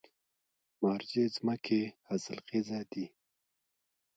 مارجې ځمکې حاصلخیزه دي؟